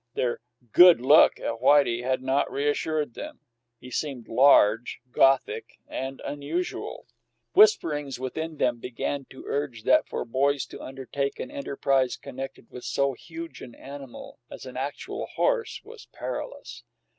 Their "good look" at Whitey had not reassured them he seemed large, Gothic,[36 1] and unusual. Whisperings within them began to urge that for boys to undertake an enterprise connected with so huge an animal as an actual horse was perilous.